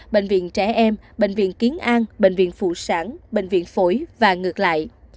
bệnh viện trẻ em bệnh viện kiến an bệnh viện phụ sản bệnh viện phổi và ngược lại